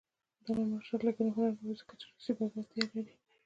د علامه رشاد لیکنی هنر مهم دی ځکه چې روسي بلدتیا لري.